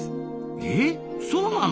えっそうなの！？